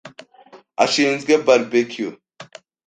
ashinzwe barbecue.